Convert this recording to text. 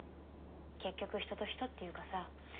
結局人と人っていうかさ